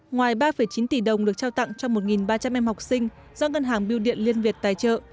ngoài ba chín tỷ đồng được trao tặng cho một ba trăm linh em học sinh do ngân hàng biêu điện liên việt tài trợ